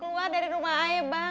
keluar dari rumah ayo bang